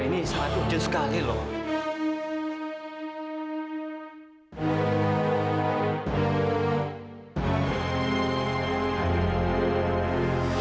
ini sangat lucu sekali loh